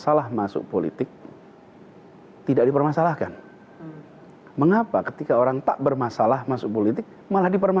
adalah yang disimpulkan oleh covert yang dibutuhkan oleh tim